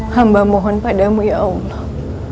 hamba mohon padamu ya allah